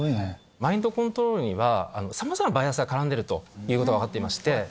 マインドコントロールにはさまざまなバイアスが絡んでいるということが分かっていまして。